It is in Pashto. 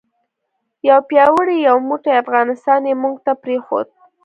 یو پیاوړی یو موټی افغانستان یې موږ ته پرېښود.